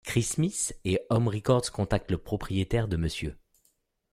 Chris Smith et Om Records contactent le propriétaire de Mr.